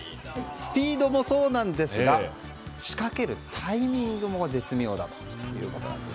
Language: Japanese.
スピードもそうなんですが仕掛けるタイミングも絶妙だということなんです。